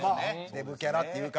デブキャラっていう感じ。